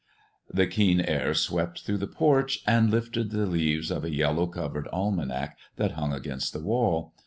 The keen air swept through the porch and lifted the leaves of a yellow covered almanac that hung against the wall.